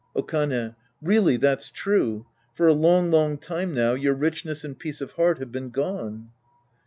Okane. Really that's true. For a long, long time now your richness and peace of heart have been gone.